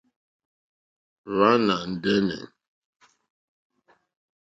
Wàná ndɛ́nɛ̀.